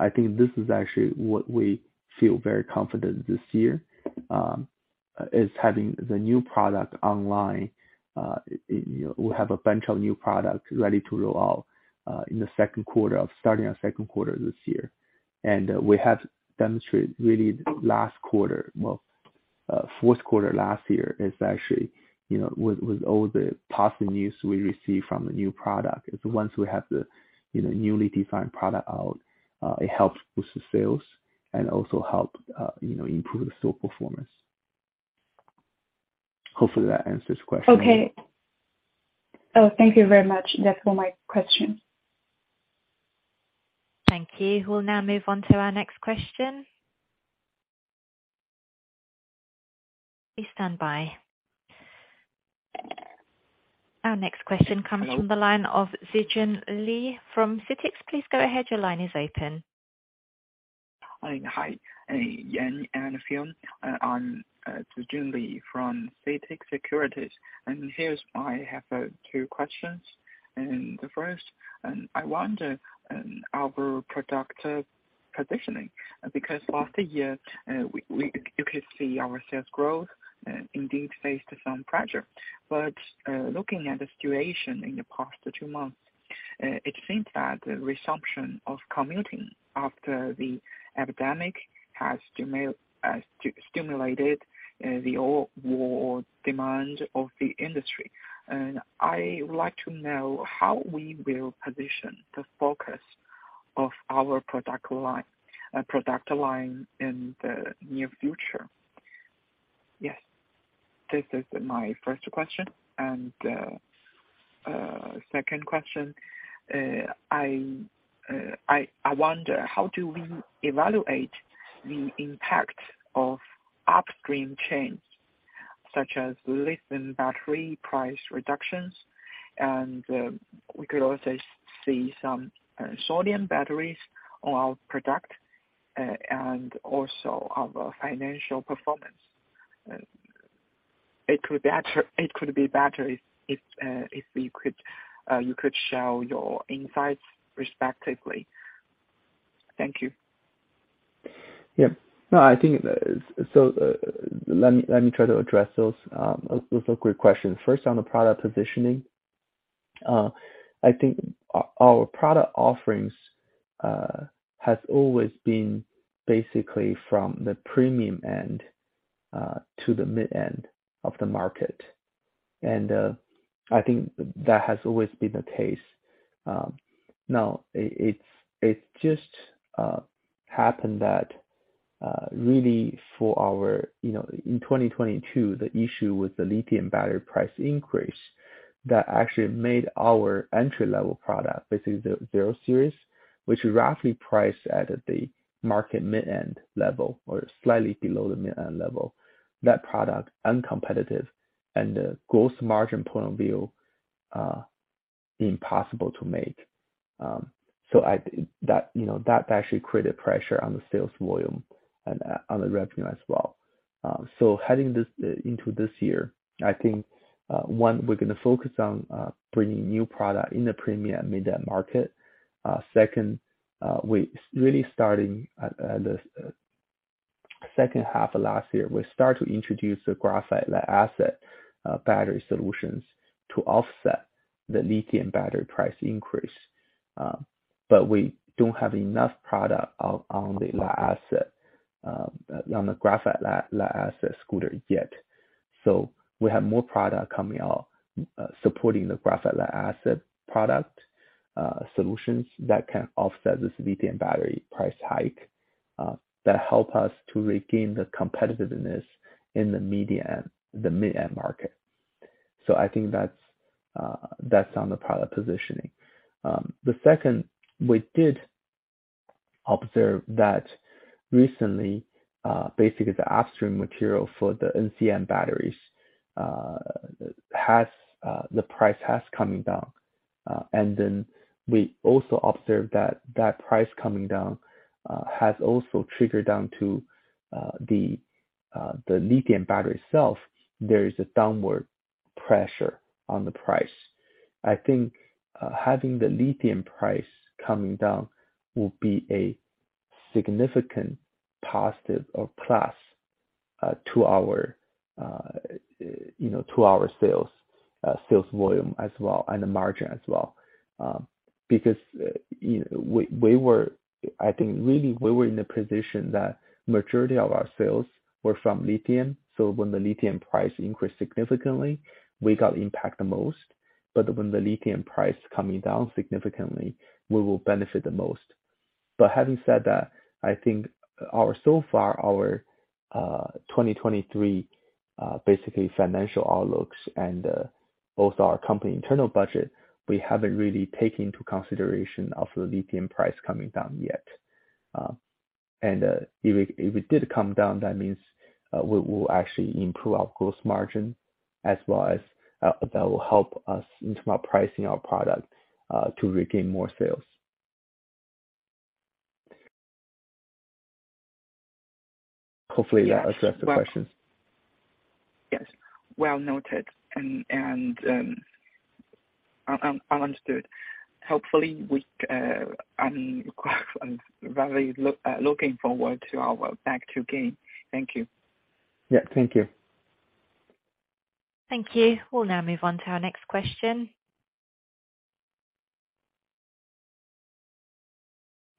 I think this is actually what we feel very confident this year, is having the new product online. You know, we have a bunch of new products ready to roll out in the second quarter this year. We have demonstrated really last quarter, fourth quarter last year is actually, you know, with all the positive news we received from the new product. Once we have the, you know, newly defined product out, it helps boost the sales and also help, you know, improve the store performance. Hopefully that answers question. Okay. Oh, thank you very much. That's all my questions. Thank you. We'll now move on to our next question. Please stand by. Our next question. Hello. From the line of Zijun Li from CITIC. Please go ahead. Your line is open. Hi. Hi. Yeah. Yeah, and film. I'm Zijun Li from CITIC Securities. I have two questions. The first, I wonder our product positioning, because last year, you could see our sales growth indeed faced some pressure. Looking at the situation in the past two months, it seems that the resumption of commuting after the epidemic has stimulated the overall demand of the industry. I would like to know how we will position the focus of our product line in the near future. Yes. This is my first question. Second question. I wonder, how do we evaluate the impact of upstream chains, such as lithium battery price reductions, and we could also see some sodium-ion batteries on our product, and also our financial performance? It could be better if you could share your insights respectively. Thank you. Yeah. No, I think, let me try to address those quick questions. First, on the product positioning. I think our product offerings has always been basically from the premium end to the mid end of the market. I think that has always been the case. Now, it just happened that really for our, you know, in 2022, the issue with the lithium battery price increase that actually made our entry-level product, basically the Gova Series, which is roughly priced at the market mid end level or slightly below the mid end level, that product uncompetitive and the gross margin point of view being possible to make. That, you know, that actually created pressure on the sales volume and on the revenue as well. Heading this into this year, I think, one, we're gonna focus on bringing new product in the premium mid-end market. Second, we're really starting at the second half of last year, we start to introduce the graphite lead-acid battery solutions to offset the lithium battery price increase. We don't have enough product out on the lead-acid, on the graphite lead-acid scooter yet. We have more product coming out, supporting the graphite lead-acid product solutions that can offset this lithium battery price hike, that help us to regain the competitiveness in the mid-end market. I think that's on the product positioning. The second, we did observe that recently, basically the upstream material for the NCM batteries has the price coming down. We also observed that that price coming down has also triggered down to the lithium battery itself. There is a downward pressure on the price. I think, having the lithium price coming down will be a significant positive or plus to our, you know, to our sales volume as well and the margin as well, because, you know, I think really we were in a position that majority of our sales were from lithium, so when the lithium price increased significantly, we got impact the most. When the lithium price coming down significantly, we will benefit the most. Having said that, I think our, so far, our 2023 basically financial outlooks and both our company internal budget, we haven't really taken into consideration of the lithium price coming down yet. If it did come down, that means we'll actually improve our gross margin as well as that will help us into our pricing our product to regain more sales. Hopefully that addressed the question. Yes. Well noted. Understood. Hopefully we, I'm rather looking forward to our back to gain. Thank you. Yeah. Thank you. Thank you. We'll now move on to our next question.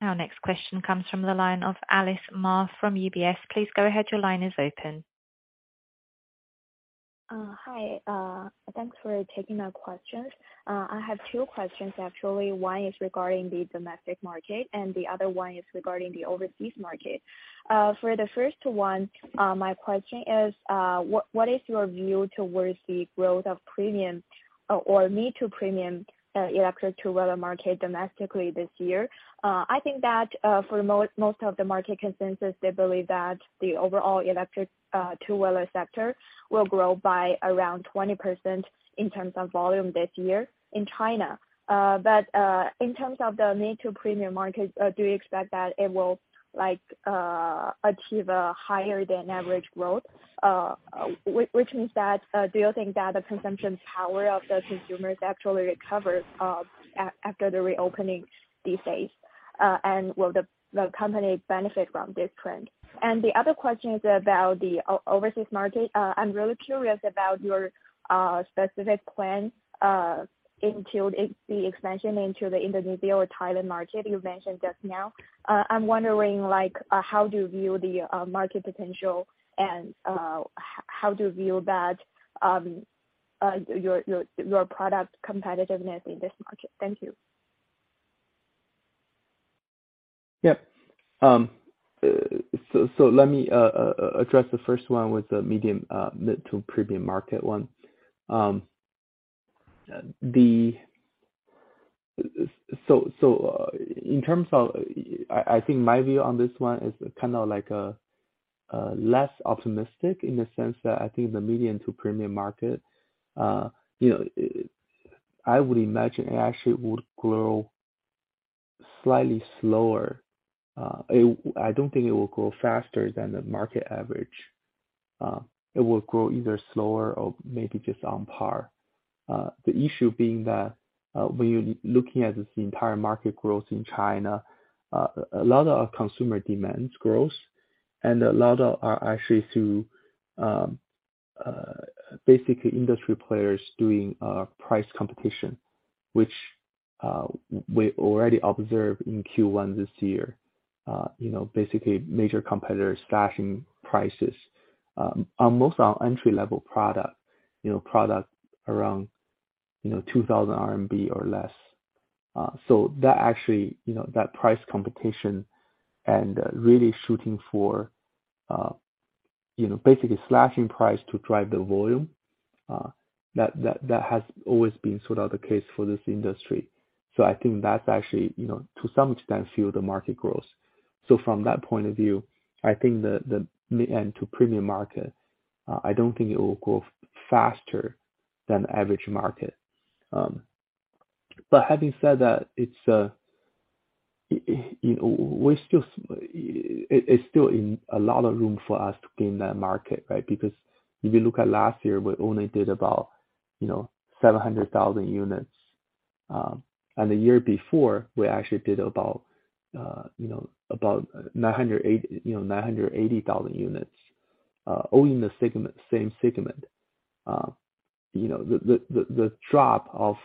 Our next question comes from the line of Alice Ma from UBS. Please go ahead. Your line is open. Hi. Thanks for taking the questions. I have 2 questions actually. One is regarding the domestic market, and the other one is regarding the overseas market. For the first one, my question is, what is your view towards the growth of premium, or mid-to-premium, electric two-wheeler market domestically this year? I think that for most of the market consensus, they believe that the overall electric two-wheeler sector will grow by around 20% in terms of volume this year in China. But in terms of the mid-to-premium market, do you expect that it will like achieve a higher-than-average growth? Which means that, do you think that the consumption power of the consumers actually recovers after the reopening this phase? And will the company benefit from this trend? is about the overseas market. I'm really curious about your specific plans into the expansion into the Indonesia or Thailand market you mentioned just now. I'm wondering, like, how do you view the market potential, and how do you view that your product competitiveness in this market? Thank you Yeah. So let me address the first one with the medium, mid-to-premium market one. The. So, in terms of I think my view on this one is kinda like less optimistic in the sense that I think the medium-to-premium market, you know, I would imagine it actually would grow slightly slower. I don't think it will grow faster than the market average. It will grow either slower or maybe just on par. The issue being that, when you're looking at the entire market growth in China, a lot of consumer demand grows and a lot of are actually through, basically industry players doing price competition, which we already observed in Q1 this year. you know, basically major competitors slashing prices on most of our entry-level product, you know, around, you know, 2,000 RMB or less. That actually, you know, that price competition and really shooting for, you know, basically slashing price to drive the volume, that has always been sort of the case for this industry. I think that's actually, you know, to some extent fuel the market growth. From that point of view, I think the mid-end-to-premium market, I don't think it will grow faster than average market. Having said that, it's, you know, we're still it's still in a lot of room for us to gain that market, right? Because if you look at last year, we only did about, you know, 700,000 units. The year before, we actually did about, you know, about 980,000 units, owing the segment, same segment. You know, the drop of,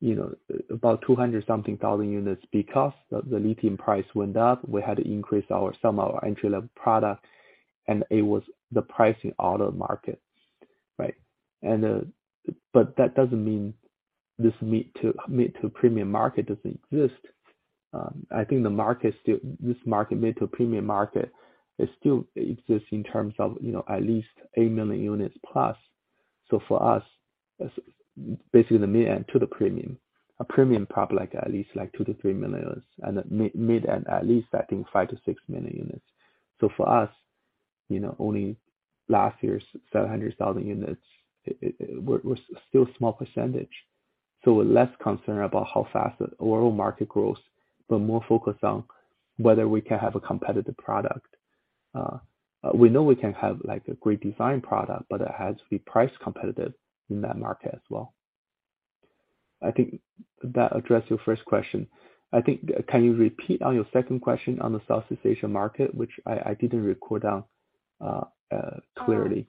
you know, about 200,000 something units because the lithium price went up. We had to increase some of our entry-level product, and it was the pricing out of market, right? That doesn't mean this mid-to-premium market doesn't exist. I think This market, mid-to-premium market, it still exists in terms of, you know, at least 8 million units plus. For us, basically the mid and to the premium. A premium probably like at least like 2 million-3 million units, and the mid at least I think 5 million-6 million units. For us, you know, only last year's 700,000 units was still small percentage. We're less concerned about how fast the overall market grows, but more focused on whether we can have a competitive product. We know we can have, like, a great design product, but it has to be price competitive in that market as well. I think that addressed your first question. I think. Can you repeat on your second question on the Southeast Asia market, which I didn't record down clearly?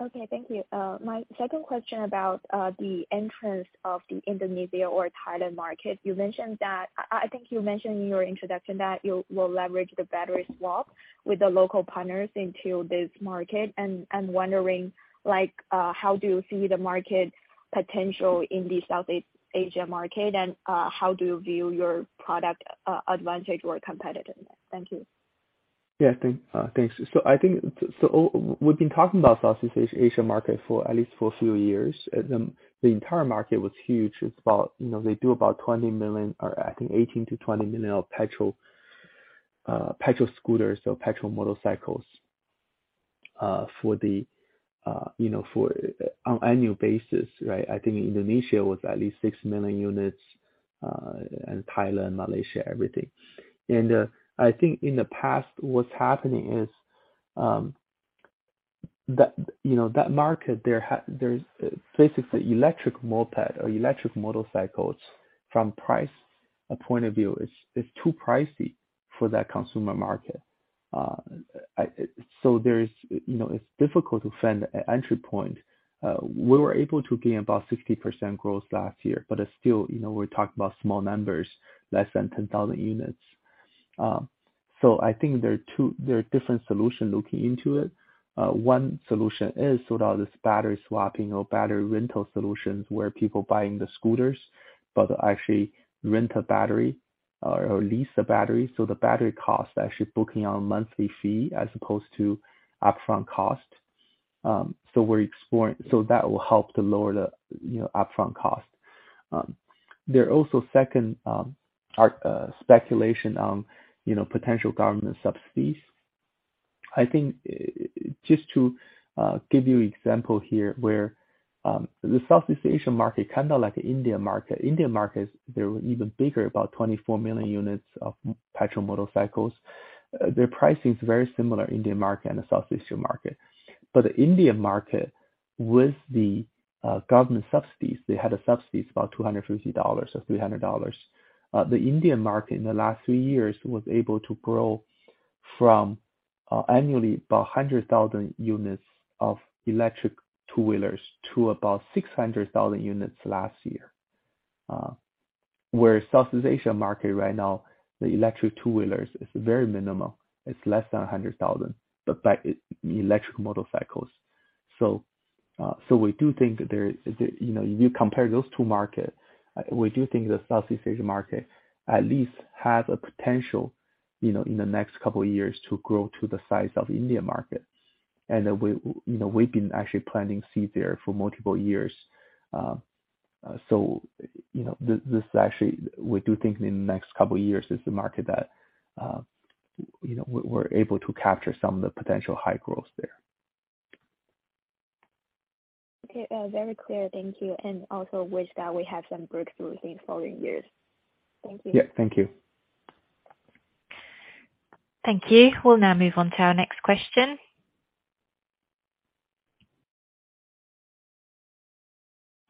Okay. Thank you. My second question about the entrance of the Indonesia or Thailand market. You mentioned that I think you mentioned in your introduction that you will leverage the battery swap with the local partners into this market. I'm wondering, like, how do you see the market potential in the South Asia market, and how do you view your product advantage or competitiveness? Thank you. Yeah. Thank, thanks. I think over we've been talking about Southeast Asia market for at least for a few years. The entire market was huge. It's about, you know, they do about 20 million, or I think 18-20 million petrol scooters or petrol motorcycles for the, you know, on annual basis, right? I think Indonesia was at least 6 million units, and Thailand, Malaysia, everything. I think in the past, what's happening is that, you know, that market, there's basically electric moped or electric motorcycles from price point of view is too pricey for that consumer market. I, so there is, you know, it's difficult to find a entry point. We were able to gain about 60% growth last year, but it's still, you know, we're talking about small numbers, less than 10,000 units. I think there are different solutions looking into it. One solution is sort of this battery swapping or battery rental solutions, where people buying the scooters but actually rent a battery or lease a battery, so the battery cost actually booking on a monthly fee as opposed to upfront cost. We're exploring. That will help to lower the, you know, upfront cost. There are also second speculation on, you know, potential government subsidies. I think, just to give you example here, where the Southeast Asian market, kinda like India market. India market, they're even bigger, about 24 million units of petrol motorcycles. Their pricing is very similar India market and the Southeast Asia market. The India market, with the government subsidies, they had subsidies about $250 or $300. The India market in the last three years was able to grow from annually about 100,000 units of electric two-wheelers to about 600,000 units last year. Where Southeast Asia market right now, the electric two-wheelers is very minimal. It's less than 100,000, but by electric motorcycles. We do think there is. You know, you compare those two market, we do think the Southeast Asia market at least have a potential, you know, in the next couple years to grow to the size of India market. Then we, you know, we've been actually planting seed there for multiple years. You know, this actually we do think in the next couple years is the market that, you know, we're able to capture some of the potential high growth there. Okay. Very clear. Thank you. Also wish that we have some breakthroughs in following years. Thank you. Yeah. Thank you. Thank you. We'll now move on to our next question.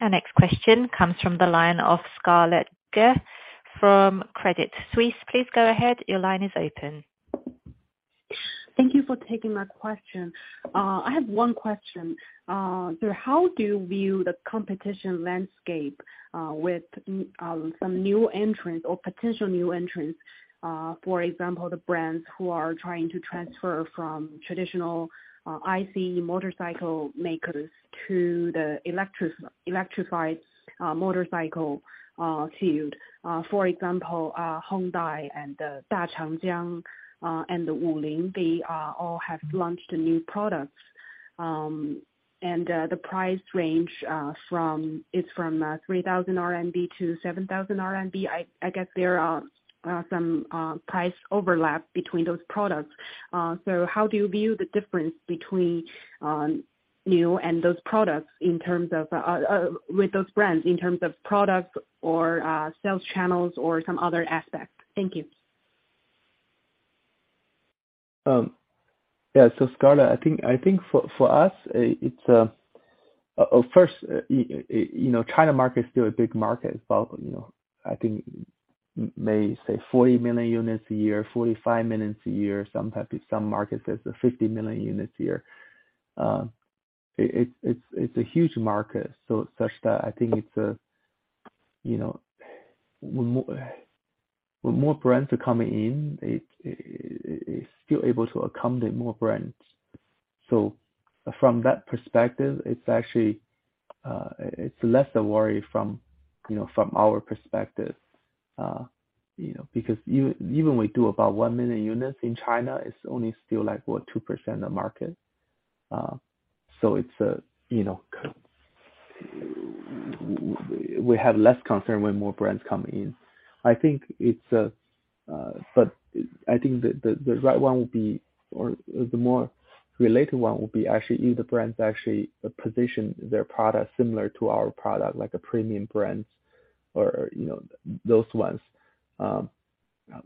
Our next question comes from the line of Scarlett Ge from Credit Suisse. Please go ahead. Your line is open. Thank you for taking my question. I have one question. How do you view the competition landscape, with some new entrants or potential new entrants, for example, the brands who are trying to transfer from traditional ICE motorcycle makers to the electrified motorcycle field. For example, Honda and Dachangjiang and Wuling, they all have launched new products. The price range It's from 3,000 RMB to 7,000 RMB. I guess there are some price overlap between those products. How do you view the difference between you and those products in terms of with those brands, in terms of products or sales channels or some other aspects? Thank you. Yeah. Scarlett, I think for us, it's, you know, China market is still a big market. About, you know, I think may say 40 million units a year, 45 million units a year. Sometimes in some markets there's a 50 million units a year. It's a huge market. Such that I think it's a, you know, when more brands are coming in, it is still able to accommodate more brands. From that perspective, it's actually, it's less a worry from, you know, from our perspective. You know, because even we do about 1 million units in China, it's only still like what? 2% of market. It's, you know, we have less concern when more brands come in. I think it's. I think the right one would be, or the more related one would be actually if the brands actually position their product similar to our product, like a premium brands or, you know, those ones.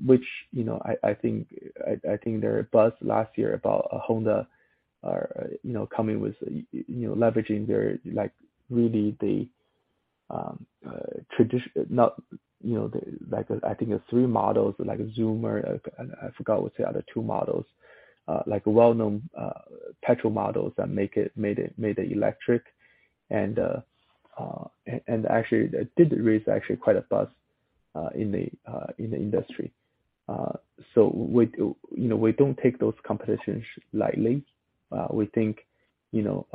Which, you know, I think there are buzz last year about Honda, you know, coming with, you know, leveraging their, like, really the tradition. I think it's three models, like a Zoomer and I forgot what's the other two models. Like well-known petrol models that made it electric. Actually that did raise actually quite a buzz in the industry. You know, we don't take those competitions lightly. We think, you know,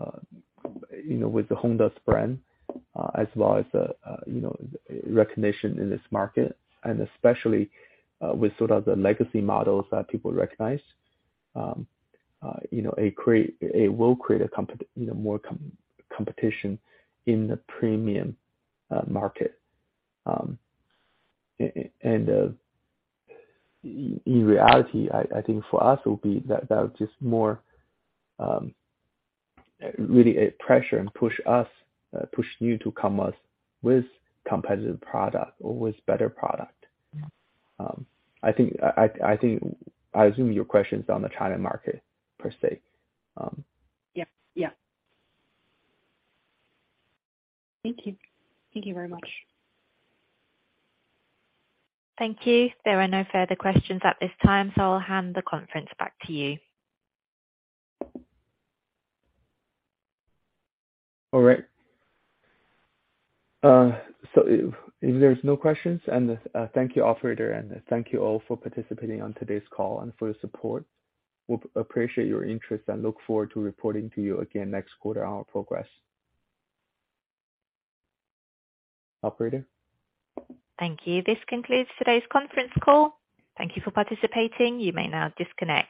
you know, with the Honda's brand, as well as the, you know, recognition in this market, and especially, with sort of the legacy models that people recognize, you know, It will create a more competition in the premium market. In reality, I think for us it will be that just more, really a pressure and push us, push Niu to come up with competitive product, always better product. I think, I think I assume your question is on the China market per se. Yeah. Yeah. Thank you. Thank you very much. Thank you. There are no further questions at this time, so I'll hand the conference back to you. All right. If there's no questions, and, thank you operator, and thank you all for participating on today's call and for your support. We appreciate your interest and look forward to reporting to you again next quarter on our progress. Operator? Thank you. This concludes today's conference call. Thank you for participating. You may now disconnect.